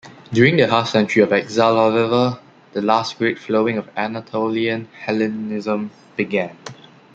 During their half-century of exile, however, the last great flowing of Anatolian Hellenism began.